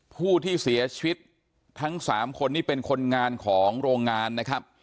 ผู้ที่เสียชีวิตทั้ง๓คนนี่เป็นคนงานของโรงงานนะครับ